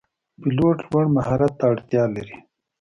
پیلوټ لوړ مهارت ته اړتیا لري.